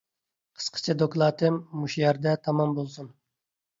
قىسقىچە دوكلاتىم مۇشۇ يەردە تامام بولسۇن.